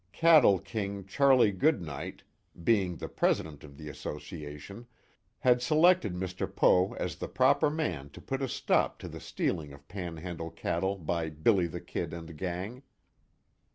Cattle King Charlie Goodnight, being the president of the association, had selected Mr. Poe as the proper man to put a stop to the stealing of Panhandle cattle by "Billy the Kid" and gang.